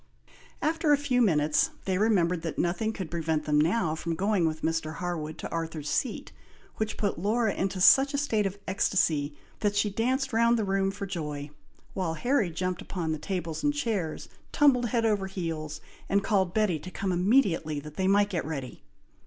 After a few minutes, they remembered that nothing could prevent them now from going with Mr. Harwood to Arthur's Seat, which put Laura into such a state of ecstacy, that she danced round the room for joy, while Harry jumped upon the tables and chairs, tumbled head over heels, and called Betty to come immediately that they might get ready.